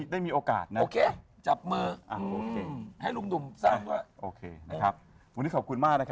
ได้มีโอกาสนะ